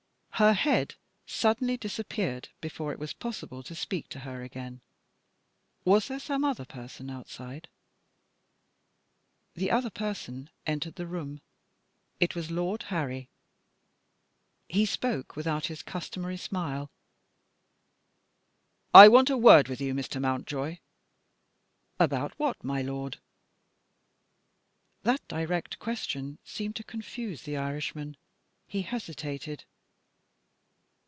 Her head suddenly disappeared, before it was possible to speak to her again. "Was there some other person outside? The other person entered the room; it was Lord Harry. He spoke without his customary smile. "I want a word with you, Mr. Mountjoy." "About what, my lord?" That direct question seemed to confuse the Irishman. He hesitated.